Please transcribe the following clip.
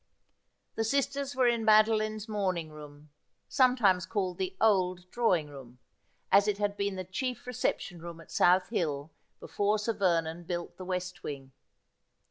The sisters were in Madeline's morning room, sometimes called the old drawing room, as it had been the chief reception room at South Hill before Sir Vernon built the west wing.